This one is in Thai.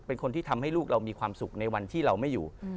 เป็นคนที่ทำให้ลูกเรามีความสุขในวันที่เราไม่อยู่